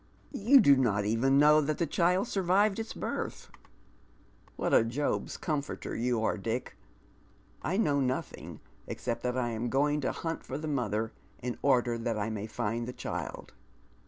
" You do not even know that the child survived its birth ?"" What a Job's conoforter you are, Dick ! I know nothing except that I am going to huat for the mother in order that I may find the child."